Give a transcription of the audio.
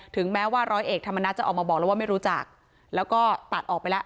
แม้ว่าร้อยเอกธรรมนัฐจะออกมาบอกแล้วว่าไม่รู้จักแล้วก็ตัดออกไปแล้ว